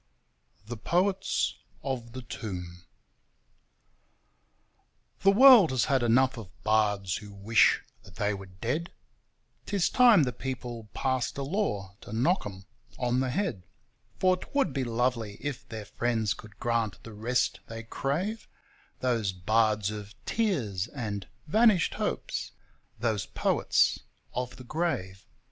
The Poets of the Tomb The world has had enough of bards who wish that they were dead, 'Tis time the people passed a law to knock 'em on the head, For 'twould be lovely if their friends could grant the rest they crave — Those bards of 'tears' and 'vanished hopes', those poets of the grave.